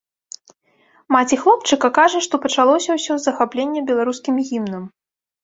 Маці хлопчыка кажа, што пачалося ўсё з захаплення беларускім гімнам.